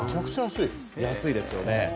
安いですよね。